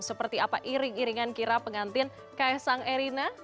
seperti apa iring iringan kirap pengantin ks sang erina